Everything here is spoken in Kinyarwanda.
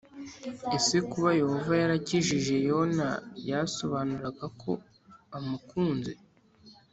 Ese kuba Yehova yarakijije Yona byasobanuraga ko amukunze